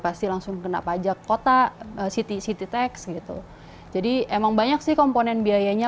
pasti langsung kena pajak kota city city tax gitu jadi emang banyak sih komponen biayanya